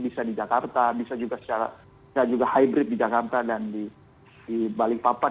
bisa di jakarta bisa juga secara bisa juga hybrid di jakarta dan di balikpapan